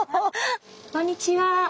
こんにちは。